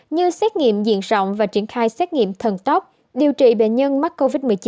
như xét nghiệm diện rộng và triển khai xét nghiệm thần tốc điều trị bệnh nhân mắc covid một mươi chín